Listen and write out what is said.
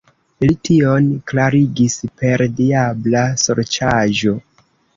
Li tion klarigis per diabla sorĉaĵo.